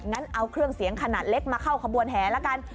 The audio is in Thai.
งั้นเอาเครื่องเสียงขนาดเล็กมาเข้าขบวนแห่ละกัน